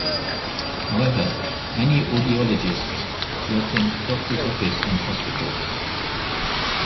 However, many audiologists work in doctor's office and hospitals.